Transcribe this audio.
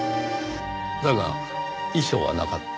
だが遺書はなかった。